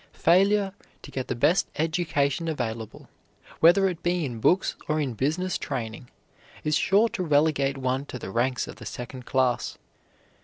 Failure to get the best education available, whether it be in books or in business training, is sure to relegate one to the ranks of the second class.